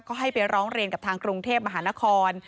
ก็ให้ไปร้องเรียนกับทางกรุงเทพมหานคร